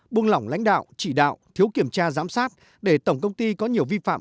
buông lỏng lãnh đạo chỉ đạo thiếu kiểm tra giám sát để tổng công ty có nhiều vi phạm